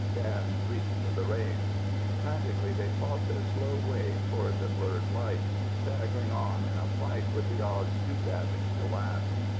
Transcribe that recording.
Dan reached for the reins. Frantically they fought their slow way toward the blurred light, staggering on in a fight with the odds too savage to last.